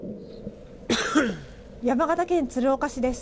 山形県鶴岡市です。